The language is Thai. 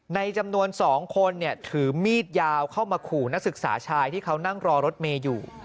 ในจำนวน๒คนถือมีดยาวเข้ามาขู่นักศึกษาชายที่เขานั่งรอรถเมย์อยู่